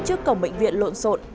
trước cổng bệnh viện lộn xộn